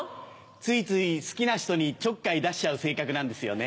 ついつい好きな人にちょっかい出しちゃう性格なんですよね。